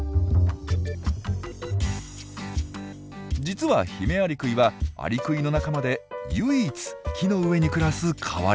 実はヒメアリクイはアリクイの仲間で唯一木の上に暮らす変わり者。